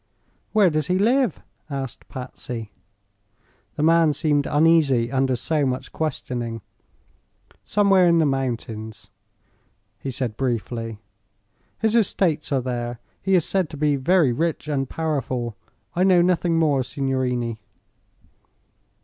"Where does he live?" asked Patsy. The man seemed uneasy under so much questioning. "Somewhere in the mountains," he said, briefly. "His estates are there. He is said to be very rich and powerful. I know nothing more, signorini."